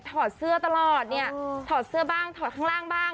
อดเสื้อตลอดเนี่ยถอดเสื้อบ้างถอดข้างล่างบ้าง